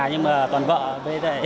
nhưng mà toàn vợ với mẹ lâu ích